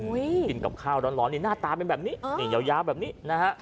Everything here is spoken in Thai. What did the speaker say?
กินกับข้าวร้อนหน้าตาเป็นแบบนี้ยาวแบบนี้